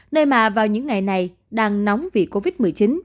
nơi mà vào những ngày này đang nóng vì covid một mươi chín